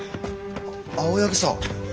青柳さん。